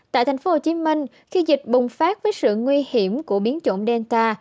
tại tp hcm khi dịch bùng phát với sự nguy hiểm của biến trộm delta